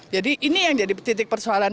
jadi ini yang jadi titik persoalan